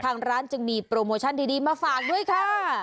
ทางร้านจึงมีโปรโมชั่นดีมาฝากด้วยค่ะ